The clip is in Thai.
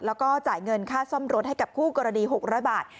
แล้วก็จ่ายเงินค่าซ่อมรถให้กับคู่กรณี๖๐๐บาท